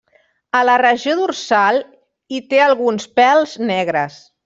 A la regió dorsal, hi té alguns pèls negres.